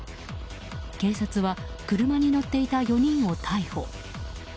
警察は車に乗っていた４人を逮捕。